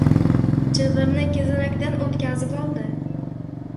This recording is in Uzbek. Chilvirni kezanakdan o‘tkazib oldi.